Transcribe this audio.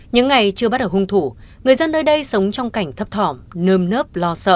những ngày chưa bắt đầu hung thủ người dân nơi đây sống trong cảnh thấp thỏm nơm nơm